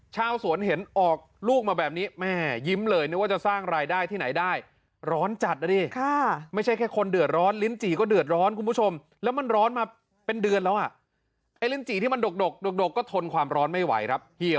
ชาวสวนเห็นออกลูกมาแบบนี้แม่ยิ้มเลยนึกว่าจะสร้างรายได้ที่ไหนได้